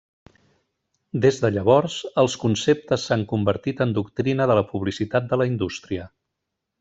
Des de llavors, els conceptes s'han convertit en doctrina de la publicitat de la indústria.